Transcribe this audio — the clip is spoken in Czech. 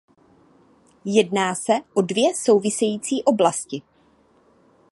Jedná se o dvě související oblasti.